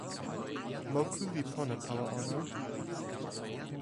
moku li pona tawa ona.